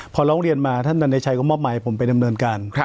พอร้องเรียนมาท่านดันัยชัยก็มอบหมายให้ผมไปดำเนินการ